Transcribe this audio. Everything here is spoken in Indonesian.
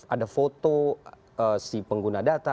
ada foto si pengguna data